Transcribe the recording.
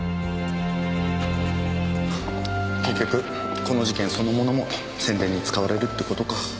結局この事件そのものも宣伝に使われるってことか。